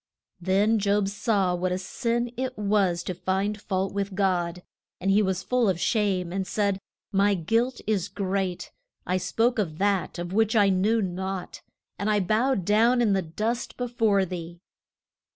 Then Job saw what a sin it was to find fault with God. And he was full of shame, and said: My guilt is great; I spoke of that of which I knew naught, and I bow down in the dust be fore thee.